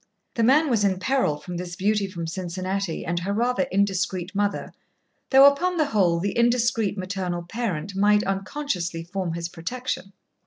The man was in peril from this beauty from Cincinnati and her rather indiscreet mother, though upon the whole, the indiscreet maternal parent might unconsciously form his protection.